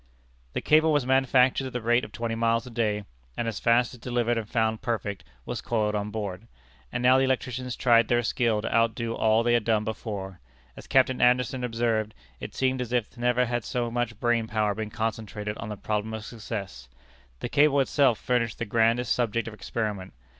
The cable was manufactured at the rate of twenty miles a day, and as fast as delivered and found perfect, was coiled on board. And now the electricians tried their skill to outdo all that they had done before. As Captain Anderson observed, it seemed as if never had so much brain power been concentrated on the problem of success. The cable itself furnished the grandest subject of experiment.